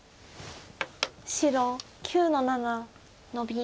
白９の七ノビ。